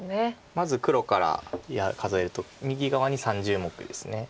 まず黒から数えると右側に３０目ですぐらい。